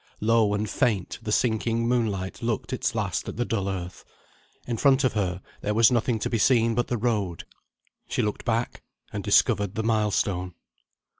Low and faint, the sinking moonlight looked its last at the dull earth. In front of her, there was nothing to be seen but the road. She looked back and discovered the milestone.